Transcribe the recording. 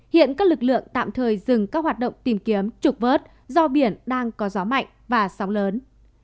hiện các lực lượng tạm thời dừng các hoạt động tìm kiếm trục vớt do biển đang có gió mạnh và sóng lớn